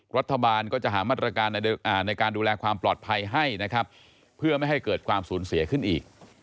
รัฐบาลก็จะหามาตรการในการดูแลความปลอดภัยให้นะครับเพื่อไม่ให้เกิดความสูญเสียขึ้นอีก